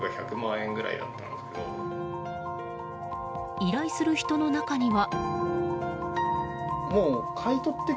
依頼する人の中には。